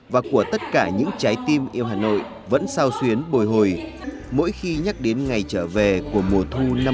và của tất cả những trái tim yêu hà nội vẫn sao xuyến bồi hồi mỗi khi nhắc đến ngày trở về của mùa thu năm một nghìn chín trăm năm mươi bốn